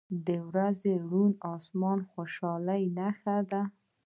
• د ورځې روڼ آسمان د خوشحالۍ نښه ده.